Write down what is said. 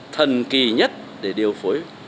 thần kỳ nhất để điều phối